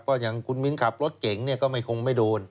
เพราะอย่างคุณมิ้นขับรถเก่งเนี่ยก็ไม่คงไม่โดน